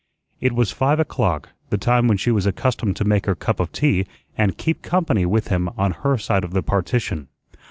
It was five o'clock, the time when she was accustomed to make her cup of tea and "keep company" with him on her side of the partition.